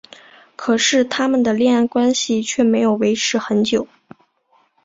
可是他们的恋爱关系却没有维持很久。